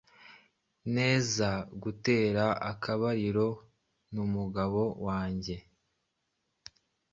neza gutera akabariro n’umugabo wanjye